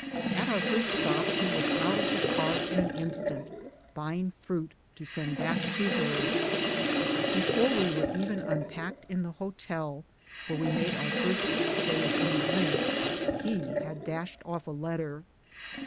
At our first stop OUR NEW HOME AT FORT LINCOLN. 95 he was out of the cars in an instant, buying fruit to send back to her. Before we were even unpacked in the hotel, where we made our first stay of any length, he had dashed off a letter.